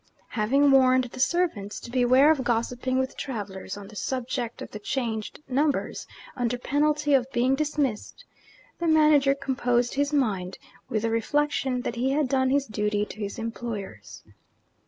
Having warned the servants to beware of gossiping with travellers, on the subject of the changed numbers, under penalty of being dismissed, the manager composed his mind with the reflection that he had done his duty to his employers.